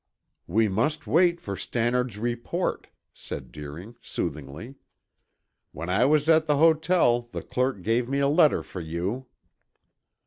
"We must wait for Stannard's report," said Deering soothingly. "When I was at the hotel the clerk gave me a letter for you."